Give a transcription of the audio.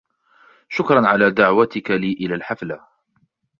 شكرأ على دعوتكَ لي إلى الحفلة.